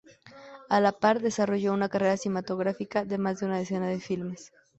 A la par, desarrolló una carrera cinematográfica de más de una decena de filmes.